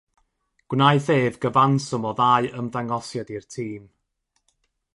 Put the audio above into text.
Gwnaeth ef gyfanswm o ddau ymddangosiad i'r tîm.